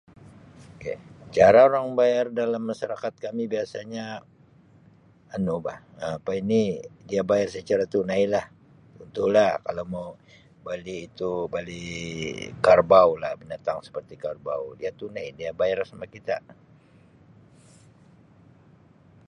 K, cara orang bayar dalam masyarakat kami biasanya nu bah apa ini dia bayar secara tunailah. Contohlah kalau mau bali itu-bali kerbau lah binatang seperti kerbau dia tunai dia bayar sama kita.